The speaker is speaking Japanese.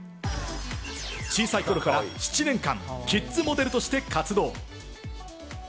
小さい頃から７年間、キッズモデルとして活動。